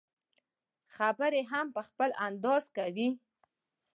خبرې هم په خپل انداز کوي.